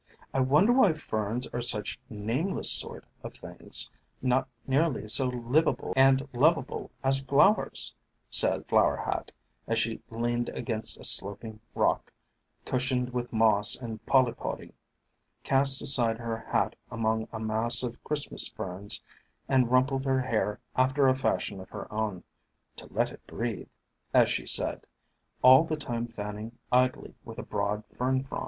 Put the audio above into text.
"I wonder why Ferns are such nameless sort of things, not nearly so livable and lovable as flowers," said Flower Hat, as she leaned against a sloping rock, cushioned with moss and Polypody, cast aside her hat among a mass of Christmas Ferns, and rumpled her hair after a fashion of her own "to let it breathe," as she said, all the time fanning idly with a broad Fern frond.